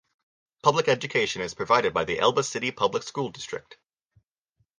Public education is provided by the Elba City Public School District.